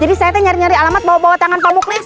jadi saya nyari nyari alamat bawa bawa tangan pamuklis